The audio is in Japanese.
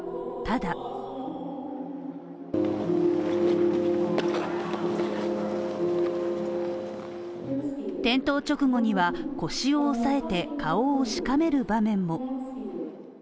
ただ転倒直後には腰を押さえて顔をしかめる場面も。